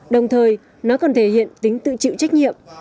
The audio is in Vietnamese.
đồng thời nó còn thể hiện tính tự chịu trách nhiệm